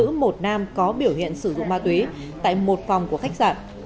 nữ một nam có biểu hiện sử dụng ma túy tại một phòng của khách sạn